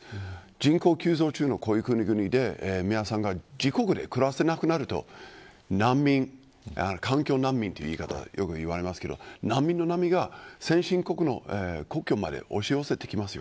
人口急増中のこういう国々で皆さんが自国で暮らせなくなると環境難民とよく言われますが難民の波が先進国の国境まで押し寄せてきます。